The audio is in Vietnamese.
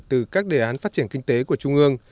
từ các đề án phát triển kinh tế của trung ương